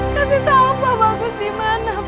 kasih tau pak bagus di mana pak